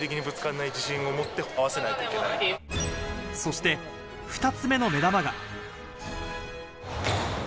そして２つ目の目玉が。